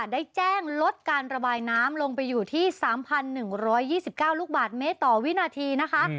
ได้แจ้งลดการระบายน้ำลงไปอยู่ที่สามพันหนึ่งร้อยยี่สิบเก้าลูกบาทเมตรต่อวินาทีนะคะ